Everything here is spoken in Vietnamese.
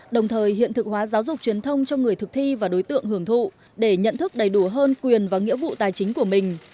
đồng thời hiện thực hóa giáo dục truyền thông cho người thực thi và đối tượng hưởng thụ để nhận thức đầy đủ hơn quyền và nghĩa vụ tài chính của mình